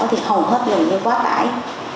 thì hầu hết người như quá tải